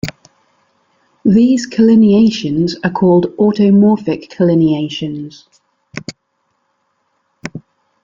These collineations are called automorphic collineations.